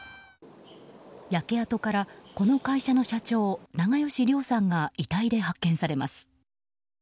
焼け跡からこの会社の社長・長葭良さんが遺体で発見されます。